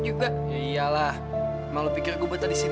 kok pak yus mau kimah children of destiny